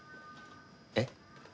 えっ？